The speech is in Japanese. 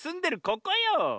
ここよ。